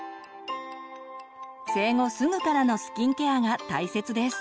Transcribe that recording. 生後すぐからのスキンケアが大切です。